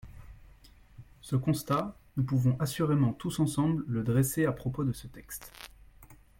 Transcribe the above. Ce constat, nous pouvons assurément tous ensemble le dresser à propos de ce texte.